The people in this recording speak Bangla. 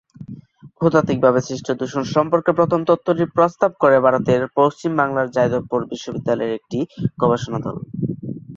ভূতাত্ত্বিকভাবে সৃষ্ট দূষণ সম্পর্কে প্রথম তত্ত্বটি প্রস্তাব করে ভারতের পশ্চিম বাংলার যাদবপুর বিশ্ববিদ্যালয়ের একটি গবেষণা দল।